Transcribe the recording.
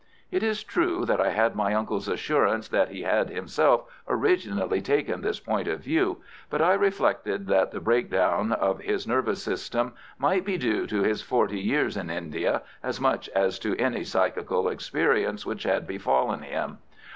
It is true that I had my uncle's assurance that he had himself originally taken this point of view, but I reflected that the breakdown of his nervous system might be due to his forty years in India as much as to any psychical experiences which had befallen him.